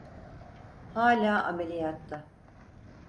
Hala ameliyatta.